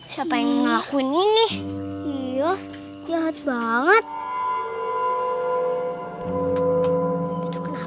tapi kan jarang bel